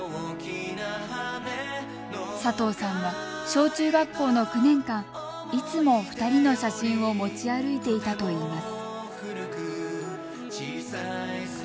佐藤さんは小中学校の９年間いつも２人の写真を持ち歩いていたといいます。